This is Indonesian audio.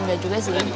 enggak juga sih